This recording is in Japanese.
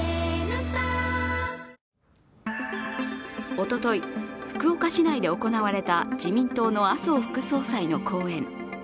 おととい福岡市内で行われた自民党の麻生副総裁の講演。